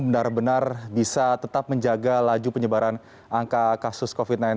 benar benar bisa tetap menjaga laju penyebaran angka kasus covid sembilan belas